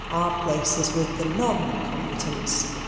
Our place is with the non combatants.